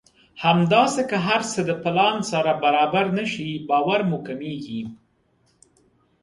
همداسې که هر څه د پلان سره برابر نه شي باور مو کمېږي.